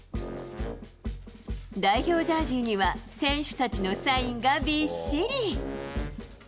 代表ジャージには選手たちのサインがびっしり。